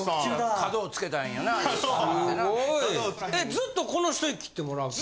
ずっとこの人に切ってもらうの？